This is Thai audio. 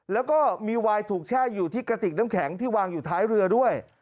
แล้วก็มีวายถูกแช่อยู่ที่กระติกน้ำแข็งที่วางอยู่ท้ายเรือด้วย